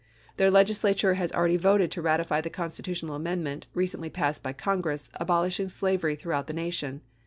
Their Legislature has already voted to ratify the constitutional amendment, recently passed by Congress, abolishing slavery throughout the nation.